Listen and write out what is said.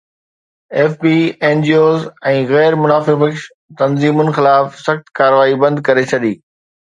F B N G Os ۽ غير منافع بخش تنظيمن خلاف سخت ڪارروائي بند ڪري ڇڏي